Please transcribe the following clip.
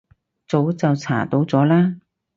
早就查到咗啦